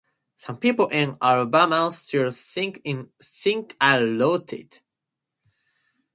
Some people in Alabama still think I wrote it.